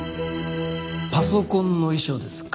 パソコンの遺書ですか。